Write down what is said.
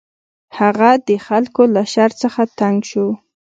هغه د خلکو له شر څخه تنګ شو.